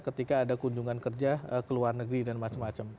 ketika ada kunjungan kerja ke luar negeri dan macam macam